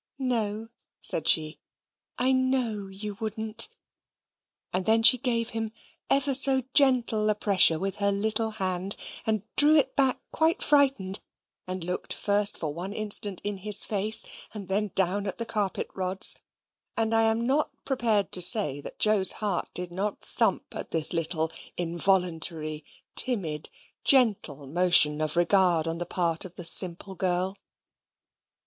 "No," said she, "I KNOW you wouldn't"; and then she gave him ever so gentle a pressure with her little hand, and drew it back quite frightened, and looked first for one instant in his face, and then down at the carpet rods; and I am not prepared to say that Joe's heart did not thump at this little involuntary, timid, gentle motion of regard on the part of the simple girl.